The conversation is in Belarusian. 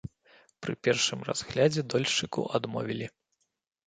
Пры першым разглядзе дольшчыку адмовілі.